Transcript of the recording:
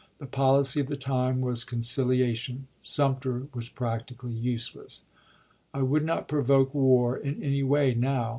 The policy of the time was conciliation. Sumter was practically useless. " I would not provoke war in any way now.